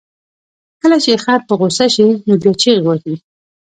کله چې خر په غوسه شي، نو بیا چغې وهي.